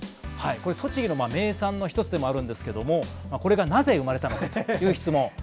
栃木の名産の１つでもあるんですがこれがどうして生まれたのかという質問。